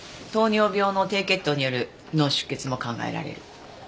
糖尿病の低血糖による脳出血も考えられる。